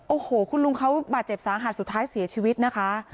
โอ้โหคุณลุงเขาบาดเจ็บสาหัสสุดท้ายเสียชีวิตนะคะ